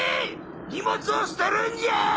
荷物を捨てるんじゃ！